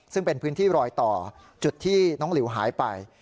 ซึ่งเป็นพื้นที่รอยต่อจุดที่น้องหลิวหายไป